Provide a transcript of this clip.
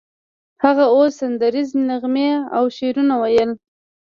هغه اوس سندریزې نغمې او شعرونه ویل